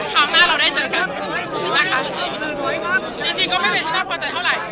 ครั้งหน้าเราได้เจอกันนะคะจริงก็ไม่เป็นที่น่าพอใจเท่าไหร่